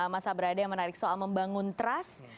masa berada yang menarik soal membangun trust